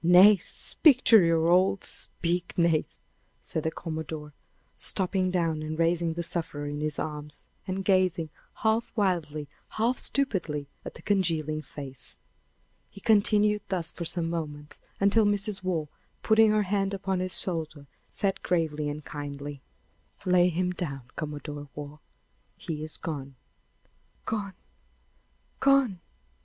Nace! speak to your old speak, Nace!" cried the commodore, stooping down and raising the sufferer in his arms, and gazing, half wildly, half stupidly, at the congealing face. He continued thus for some moments, until Mrs. Waugh, putting her hand upon his shoulder, said gravely and kindly: "Lay him down, Commodore Waugh; he is gone." "Gone! gone!"